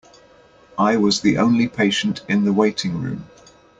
I was the only patient in the waiting room.